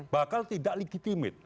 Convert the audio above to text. bakal tidak legitimit